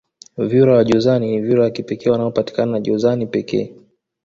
vyura wa jozani ni vyura wa kipekee wanaopatikana jozani pekee